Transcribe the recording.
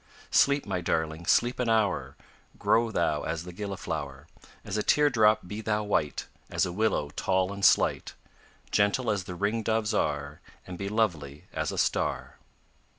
Sleep, my darling, sleep an hour, Grow thou as the gilliflower. As a tear drop be thou white, As a willow tall and slight; Gentle as the ring doves are, And be lovely as a star!